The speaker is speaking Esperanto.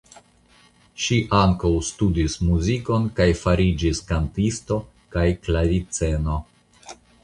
Ŝi ankaŭ studis muzikon kaj fariĝis kantisto kaj klaviceno.